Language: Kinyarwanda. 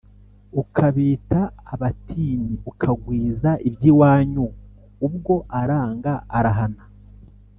Ukabita abatinyiUkagwiza iby’iwanyuUbwo aranga arahana